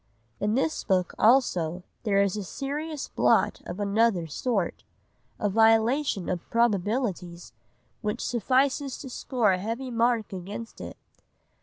'" In this book also there is a serious blot of another sort, a violation of probabilities, which suffices to score a heavy mark against it.